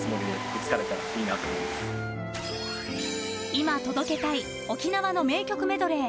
今届けたい沖縄の名曲メドレー。